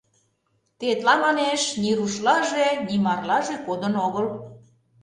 Тетла, манеш, ни рушлаже, ни марлаже кодын огыл.